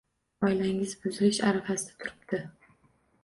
Oilangiz buzilish arafasida turipti